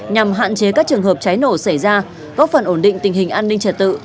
nhằm hạn chế các trường hợp cháy nổ xảy ra góp phần ổn định tình hình an ninh trật tự